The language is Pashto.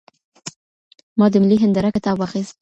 ما د ملي هنداره کتاب واخیست.